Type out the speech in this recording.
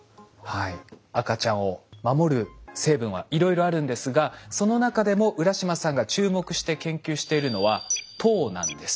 赤ちゃんを守る成分はいろいろあるんですがその中でも浦島さんが注目して研究しているのは糖なんです。